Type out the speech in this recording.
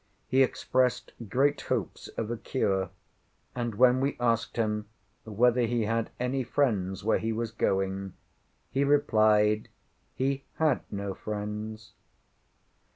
He expressed great hopes of a cure; and when we asked him, whether he had any friends where he was going, he replied, "he had no friends."